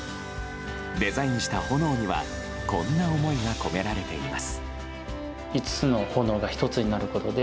デザインした炎にはこんな思いが込められています。